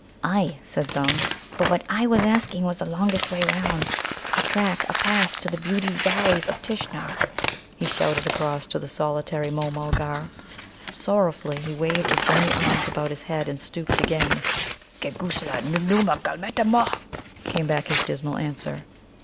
"Ay," said Thumb; "but what I was asking was the longest way round.... A track, a path to the beautiful Valleys of Tishnar," he shouted across to the solitary Môh mulgar. Sorrowfully he waved his bony arms about his head, and stooped again. "Geguslar, nōōma gulmeta mūh!" came back his dismal answer.